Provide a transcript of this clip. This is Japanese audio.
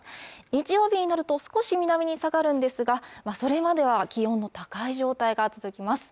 日曜日になると少し南に下がるんですがそれまでは気温の高い状態が続きます